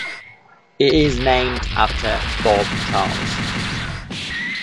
It is named after Bob Charles.